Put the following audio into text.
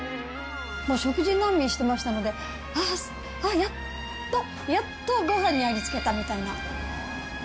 もう食事難民してましたので、ああ、やっと、やっとごはんにありつけたみたいな。